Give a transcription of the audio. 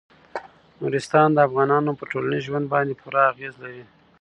نورستان د افغانانو په ټولنیز ژوند باندې پوره اغېز لري.